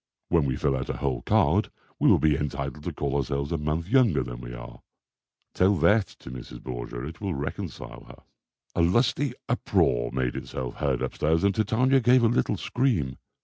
When we fill out a whole card we will be entitled to call ourselves a month younger than we are. Tell that to Mrs. Borgia; it will reconcile her." A lusty uproar made itself heard upstairs and Titania gave a little scream.